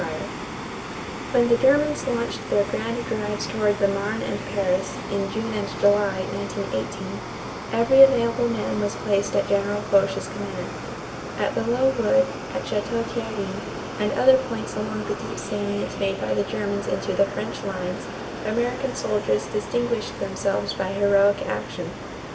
_ TROOPS RETURNING FROM FRANCE] When the Germans launched their grand drives toward the Marne and Paris, in June and July, 1918, every available man was placed at General Foch's command. At Belleau Wood, at Château Thierry, and other points along the deep salient made by the Germans into the French lines, American soldiers distinguished themselves by heroic action.